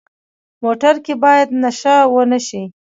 موټر کې باید نشه ونه شي.